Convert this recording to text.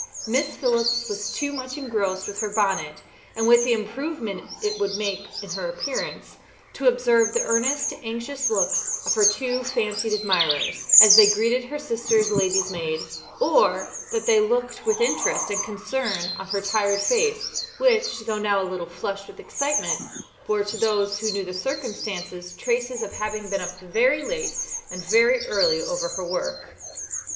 Miss Phillips was too much engrossed with her bonnet, and with the improvement it would make in her appearance, to observe the earnest, anxious looks of her two fancied admirers, as they greeted her sister's lady'smaid; or that they looked with interest and concern on her tired face, which, though now a little flushed with excitement, bore to those who knew the circumstances traces of having been up very late and very early over her work.